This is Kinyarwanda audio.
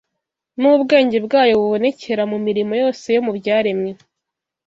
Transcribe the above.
n’ubwenge bwayo bubonekera mu mirimo yose yo mu byaremwe.